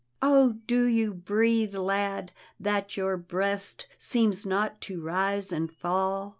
" Oh, do you breathe, lad, that your breast Seems not to rise and fall.